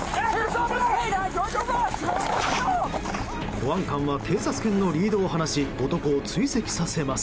保安官は警察犬のリードを放し男を追跡させます。